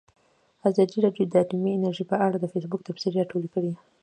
ازادي راډیو د اټومي انرژي په اړه د فیسبوک تبصرې راټولې کړي.